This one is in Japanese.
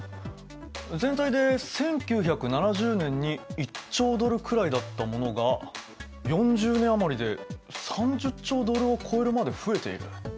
全体で１９７０年に１兆ドルくらいだったものが４０年余りで３０兆ドルを超えるまで増えている。